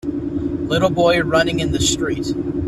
little boy running in the street.